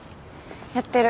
やってる。